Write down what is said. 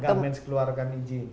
gammens keluarkan izin